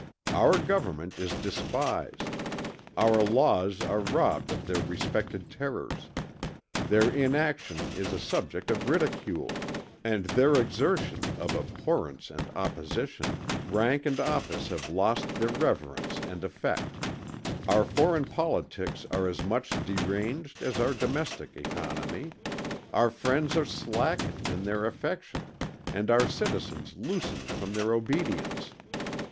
Our Government is despised our laws are robbed of their respected terrors their inaction is a subject of ridicule and their exertion, of abhorrence and opposition rank and office have lost their reverence and effect our foreign politics are as much deranged, as our domestic economy our friends are slackened in their affection, and our citizens loosened from their obedience.